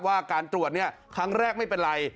ว่าการตรวจครั้งแรกไม่เป็นไร